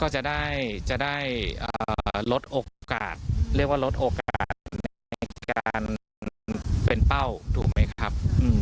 ก็จะได้ลดโอกาสเรียกว่าลดโอกาสในการเป็นเป้าถูกไหมครับ